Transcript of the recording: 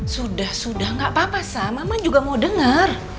sudah sudah gak apa apa sam mama juga mau denger